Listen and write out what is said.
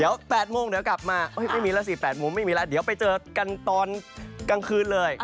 เดี๋ยว๘โมงเดี๋ยวกลับมาไม่มีแล้วสิ๘โมงไม่มีแล้วเดี๋ยวไปเจอกันตอนกลางคืนเลย